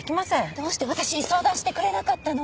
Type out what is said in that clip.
どうして私に相談してくれなかったの？